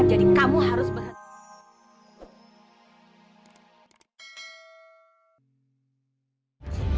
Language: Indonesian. jadi kamu harus berhenti